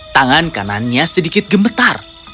tangan kanannya sedikit gemetar